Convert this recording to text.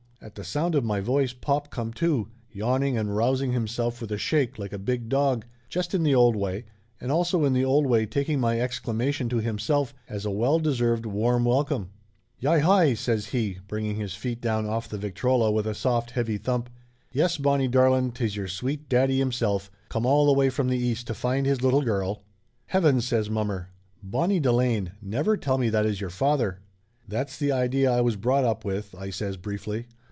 At the sound of my voice pop come to, yawning and rousing himself with a shake like a big dog, just in the old way, and also in the old way taking my exclamation to himself as a well deserved warm welcome. "Yi hi !" says he, bringing his feet down off the Vic trola with a soft heavy thump. "Yes, Bonnie darlin', 'tis your sweet daddy himself, come all the way from the East to find his little girl !" "Heavens!" says mommer. "Bonnie Delane, never tell me that is your father!" "That's the idea I was brought up with," I says Laughter Limited 239 briefly.